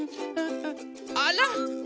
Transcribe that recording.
あら！